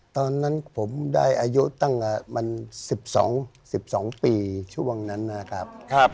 ตอนนั้นผมได้อายุตั้งมัน๑๒๑๒ปีช่วงนั้นนะครับ